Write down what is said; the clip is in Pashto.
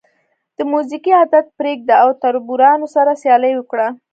د موزیګي عادت پرېږده او تربورانو سره سیالي وکړه.